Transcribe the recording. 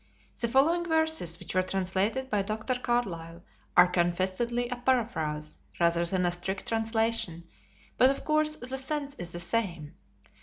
The following verses, which were translated by Dr. Carlyle, are confessedly a paraphrase rather than a strict translation; but, of course, the sense is the same.